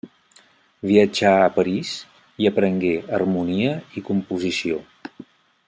Viatjà a París i hi aprengué Harmonia i Composició.